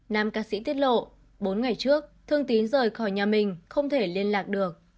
nam ca sĩ tiết lộ bốn ngày trước thương tín rời khỏi nhà mình không thể liên lạc được